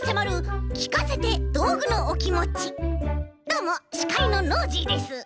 どうもしかいのノージーです。